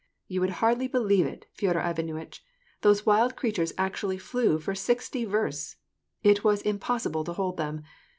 "You would hardly believe it, Feodor Ivanuitch, those wild creatures actually flew for sixty versts. It was im possible to hold them.